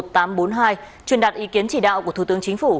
truyền đặt ý kiến chỉ đạo của thủ tướng chính phủ